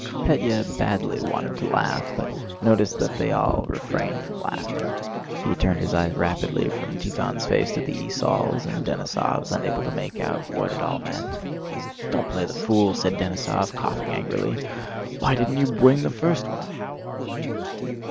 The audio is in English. Pétya badly wanted to laugh, but noticed that they all refrained from laughing. He turned his eyes rapidly from Tíkhon's face to the esaul's and Denísov's, unable to make out what it all meant. "Don't play the fool!" said Denísov, coughing angrily. "Why didn't you bwing the first one?"